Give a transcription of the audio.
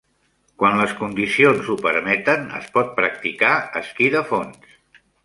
Quan les condicions ho permeten, es pot practicar esquí de fons.